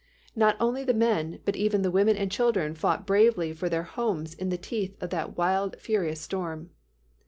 Not only the men, but even the women and children fought bravely for their homes in the teeth of that wild furious storm.